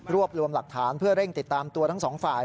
รวมรวมหลักฐานเพื่อเร่งติดตามตัวทั้งสองฝ่าย